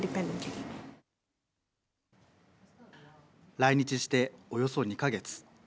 来日して、およそ２か月。